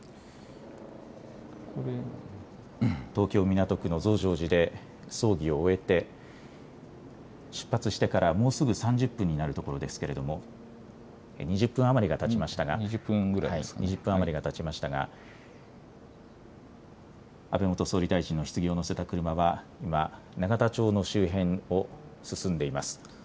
東京港区の増上寺で葬儀を終えて、出発してからもうすぐ３０分になるところですけれども２０分余りがたちましたが、安倍元総理大臣のひつぎを乗せた車は今、永田町の周辺を進んでいます。